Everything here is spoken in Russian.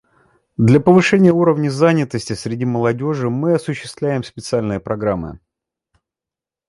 Для повышения уровня занятости среди молодежи мы осуществляем специальные программы.